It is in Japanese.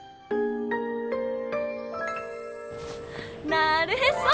なるへそ！